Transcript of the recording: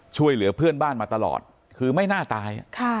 ช่วยเหลือเพื่อนบ้านมาตลอดคือไม่น่าตาย